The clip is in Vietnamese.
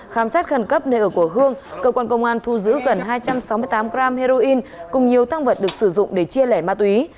khám xét khẩn cấp nơi ở của hương cơ quan công an thu giữ gần hai trăm sáu mươi tám gram heroin cùng nhiều tăng vật được sử dụng để chia lẻ ma túy